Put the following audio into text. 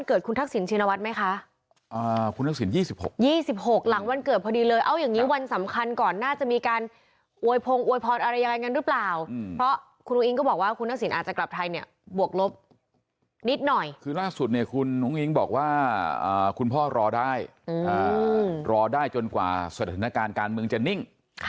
คุณลูกอิงบอกว่าคุณพ่อรอได้รอได้จนกว่าสถานการณ์การเมืองจะนิ่ง